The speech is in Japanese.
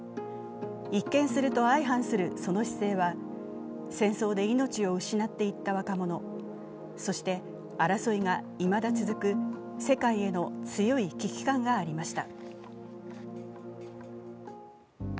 一見すると相反するその姿勢は、戦争で命を失っていった若者、そして争いがいまだ続く世界への強い危機感がありました。